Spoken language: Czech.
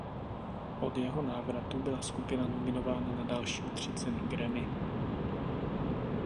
Od jeho návratu byla skupina nominována na další tři ceny Grammy.